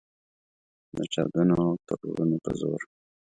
د چاودنو او ترورونو په زور.